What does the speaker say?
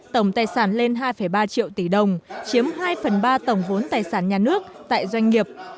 tổng tài sản lên hai ba triệu tỷ đồng chiếm hai phần ba tổng vốn tài sản nhà nước tại doanh nghiệp